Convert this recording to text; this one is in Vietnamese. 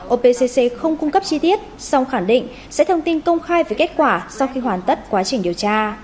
opc không cung cấp chi tiết song khẳng định sẽ thông tin công khai về kết quả sau khi hoàn tất quá trình điều tra